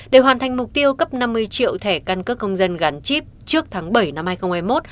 để hoàn thành mục tiêu cấp năm mươi triệu thẻ căn cước công dân gắn chip trước tháng bảy năm hai nghìn hai mươi một